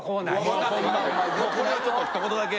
これはちょっとひと言だけ。